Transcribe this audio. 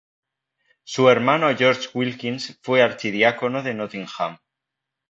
Su hermano George Wilkins fue archidiácono de Nottingham.